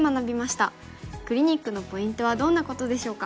クリニックのポイントはどんなことでしょうか。